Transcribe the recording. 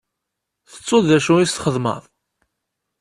Tettuḍ d acu i s-txedmeḍ?